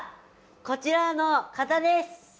こちらの方です！